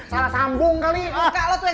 salah sambung ayo temenin